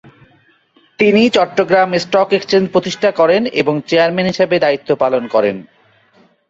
তিনি Chattogram stock exchange প্রতিষ্ঠা করেন এবং চেয়ারম্যান হিসেবে দায়িত্ব পালন করেন।